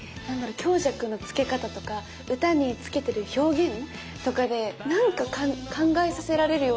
強弱の付け方とか歌に付けてる表現とかでなんか考えさせられるような